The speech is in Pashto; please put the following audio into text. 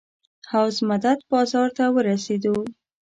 حوض مدد بازار ته ورسېدو.